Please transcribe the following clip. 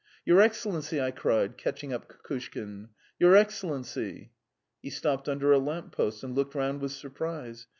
"Your Excellency!" I cried, catching up Kukushkin. "Your Excellency!" He stopped under a lamp post and looked round with surprise.